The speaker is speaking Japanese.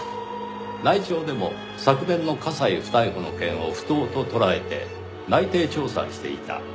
内調でも昨年の加西不逮捕の件を不当と捉えて内偵調査していた。